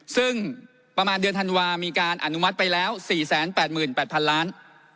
ซึ่งประมาณเดือนธันวามีการอนุมัติไปแล้ว๔๘๘๐๐๐ล้าน